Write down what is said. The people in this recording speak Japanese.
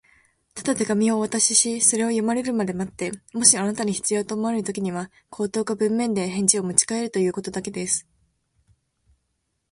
「ただ手紙をお渡しし、それを読まれるまで待って、もしあなたに必要と思われるときには、口頭か文面で返事をもちかえるということだけです」